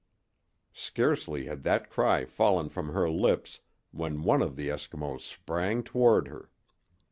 Scarcely had that cry fallen from her lips when one of the Eskimos sprang toward her.